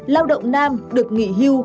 lao động nam được nghỉ hưu